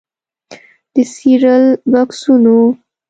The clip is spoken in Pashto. د سیریل بکسونو